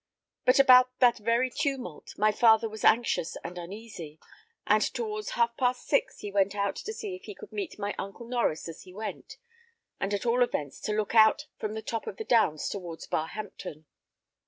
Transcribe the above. But about that very tumult my father was anxious and uneasy, and towards half past six he went out to see if he could meet my uncle Norries as he went, and at all events to look out from the top of the downs towards Barhampton.